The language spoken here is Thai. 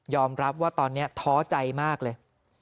รับว่าตอนนี้ท้อใจมากเลย